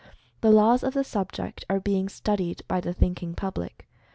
The laws of the subject are being studied by the think ing public.